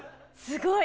すごい！